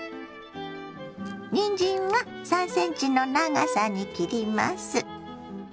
にんじんは３ｃｍの長さに切ります。